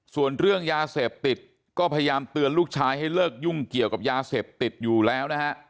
ส่วนเรื่องยาเสพติดก็พยายามเตือนลูกชายให้เลิกยุ่งเกี่ยวกับยาเสพติดอยู่แล้วนะฮะ